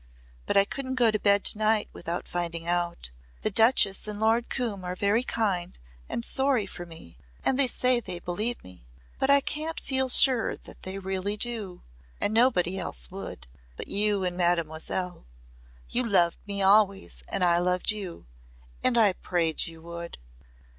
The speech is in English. But I couldn't go to bed to night without finding out. The Duchess and Lord Coombe are very kind and sorry for me and they say they believe me but I can't feel sure they really do. And nobody else would. But you and Mademoiselle. You loved me always and I loved you. And I prayed you would."